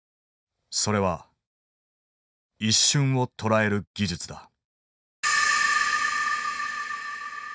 それは一瞬をとらえる技術だ。